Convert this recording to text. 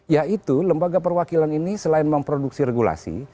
yaitu lembaga perwakilan ini selain memproduksi regulasi